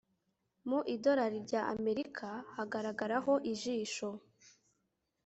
mu idorali rya amerika hagaragaho ijisho